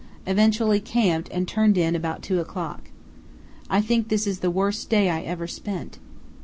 Eventually camped and turned in about 2 o'clock. I think this is the worst day I ever spent.